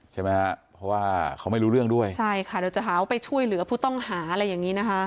ใช่ไหมฮะเพราะว่าเขาไม่รู้เรื่องด้วยใช่ค่ะเดี๋ยวจะหาว่าไปช่วยเหลือผู้ต้องหาอะไรอย่างนี้นะคะ